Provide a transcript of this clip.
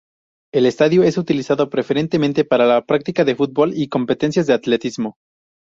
El estadio es utilizado preferentemente para la práctica de fútbol y competencias de atletismo.